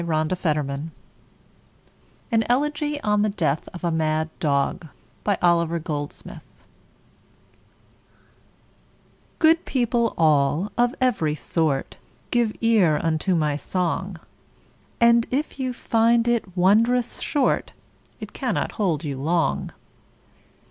Oliver Goldsmith An Elegy on the Death of a Mad Dog GOOD people all, of every sort, Give ear unto my song, And if you find it wondrous short, It cannot hold you long.